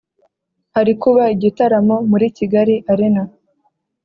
Harikuba igitaramo muri Kigali arena